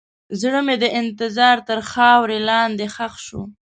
زړه مې د انتظار تر خاورو لاندې ښخ شو.